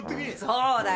そうだよ。